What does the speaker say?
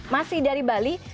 masih dari bali